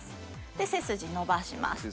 で背筋伸ばします。